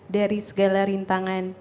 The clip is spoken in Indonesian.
dari segala rintangan